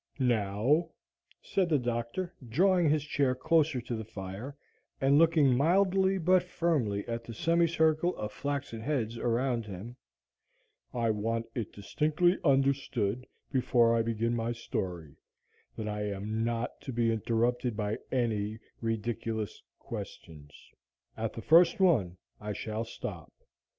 "Now," said the Doctor, drawing his chair closer to the fire, and looking mildly but firmly at the semicircle of flaxen heads around him, "I want it distinctly understood before I begin my story, that I am not to be interrupted by any ridiculous questions. At the first one I shall stop.